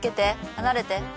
離れて。